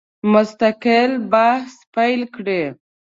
مستقل بحث پیل کړي.